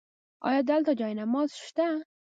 ایا دلته جای نماز شته؟